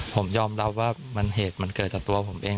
ผมยอมรับว่าเหตุมันเกิดจากตัวผมเอง